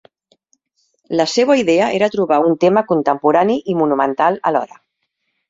La seua idea era trobar un tema contemporani i monumental alhora.